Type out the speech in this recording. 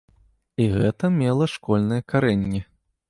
І гэта мела школьныя карэнні.